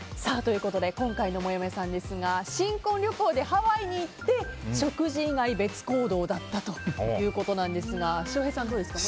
今回のもやもやさんですが新婚旅行でハワイに行って食事以外別行動だったということですが翔平さん、どうですか。